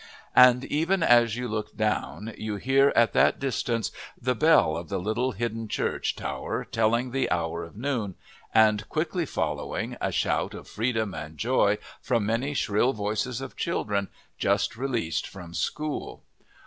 And even as you look down you hear, at that distance, the bell of the little hidden church tower telling the hour of noon, and quickly following, a shout of freedom and joy from many shrill voices of children just released from school.